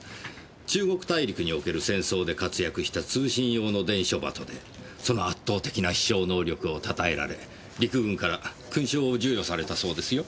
中国大陸における戦争で活躍した通信用の伝書鳩でその圧倒的な飛翔能力をたたえられ陸軍から勲章を授与されたそうですよ。